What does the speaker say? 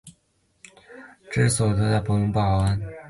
治所在永安堡。